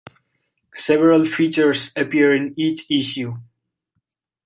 Several features appear in each issue.